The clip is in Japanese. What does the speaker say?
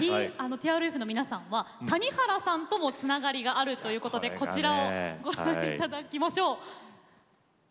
ＴＲＦの皆さんは谷原さんともつながりがあるということでこちらをご覧いただきましょう。